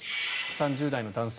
３０代の男性